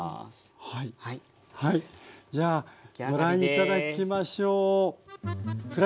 じゃあご覧頂きましょう。